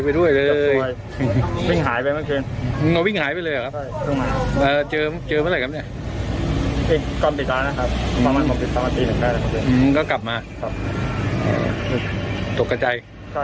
ไม่รู้ผมยังไง